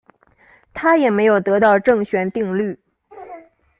他也没有得到正弦定律。